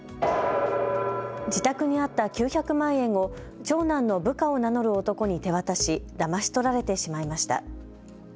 自宅にあった９００万円を長男の部下を名乗る男に手渡しだまし取られてしまいました。